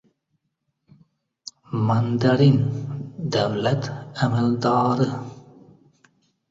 mandarin — davlat amaldori.